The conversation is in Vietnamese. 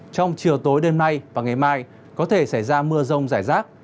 trong chiều tối đêm nay và ngày mai có thể xảy ra mưa rông rải rác